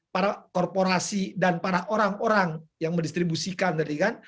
para korporasi dan para orang orang yang mendistribusikan tadi kan